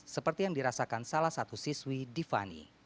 seperti yang dirasakan salah satu siswi divani